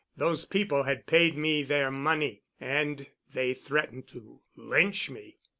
Those people had paid me their money, and they threatened to lynch me.